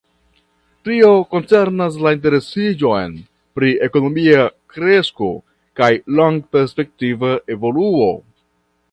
Tio koncernas la interesiĝon pri ekonomia kresko kaj longperspektiva evoluo.